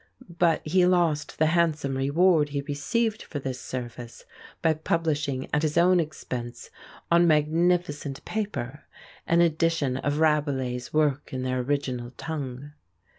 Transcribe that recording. But he lost the handsome reward he received for this service by publishing at his own expense, on magnificent paper, an edition of Rabelais' works in their original tongue.